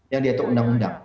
yang dia tuh undang undang